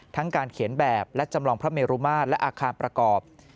การเขียนแบบและจำลองพระเมรุมาตรและอาคารประกอบ